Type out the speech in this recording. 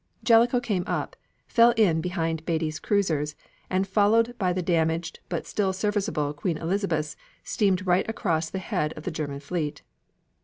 Jellicoe came up, fell in behind Beatty's cruisers, and followed by the damaged but still serviceable Queen Elizabeths, steamed right across the head of the German fleet.